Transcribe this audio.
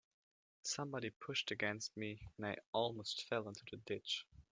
Somebody pushed against me, and I almost fell into the ditch.